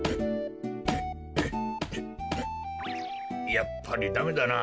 やっぱりダメだなぁ。